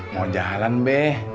mau jalan be